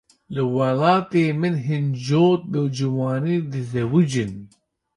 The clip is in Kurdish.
Li welatê min hin cot bi ciwanî dizewicin.